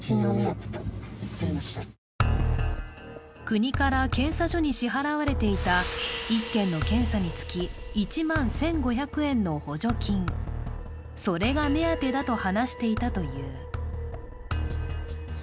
国から検査所に支払われていた１件の検査につき、１万１５００円の補助金、それが目当てだと話していたという。